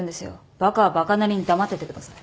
バカはバカなりに黙っててください。